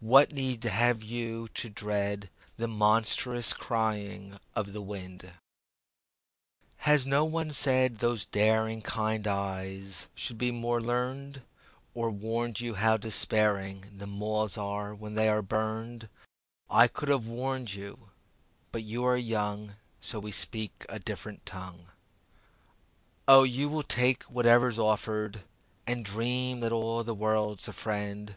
What need have you to dread The monstrous crying of wind? William Butler Yeats Two Years Later HAS no one said those daring Kind eyes should be more learn'd? Or warned you how despairing The moths are when they are burned? I could have warned you, but you are young, So we speak a different tongue. O you will take whatever's offered And dream that all the world's a friend.